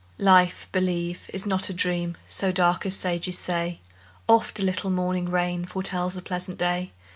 Life, believe, is not a dream So dark as sages say; Oft a little morning rain Foretells a pleasant day.